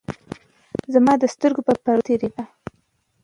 زمـا د سـترګو پـر پـردو تېـرېده.